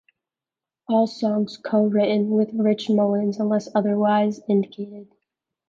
All songs co-written with Rich Mullins unless otherwise indicated.